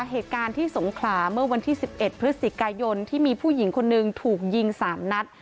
เหตุการณ์ที่สงขลาเมื่อวันที่๑๑พฤศจิกายนที่มีผู้หญิงคนหนึ่งถูกยิง๓นัด